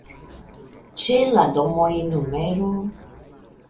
Ĉe la domoj nr.